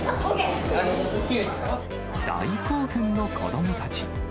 大興奮の子どもたち。